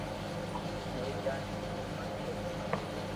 ھوئي جائين ھين اماري زبون آگي